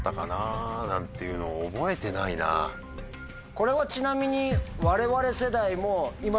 これはちなみに。